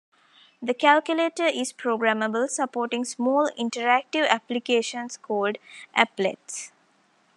The calculator is programmable, supporting small, interactive applications called "aplets".